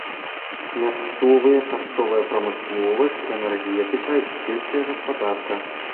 Мясцовыя харчовая прамысловасць, энергетыка і сельская гаспадарка.